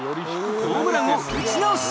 ホームランを打ち直し！